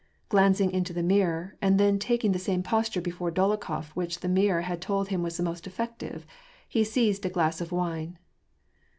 Glancing into the mirror, and then taking the same posture before Dolokhof which the mir ror had told him was most effective, he seized a glass of wine.